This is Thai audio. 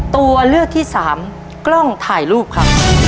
ตัวเลือกที่สามกล้องถ่ายรูปครับ